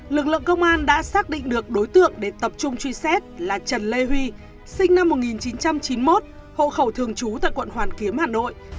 lực lượng công an đã xác định được đối tượng để tập trung truy xét là trần lê huy sinh năm một nghìn chín trăm chín mươi một hộ khẩu thường trú tại quận hoàn kiếm hà nội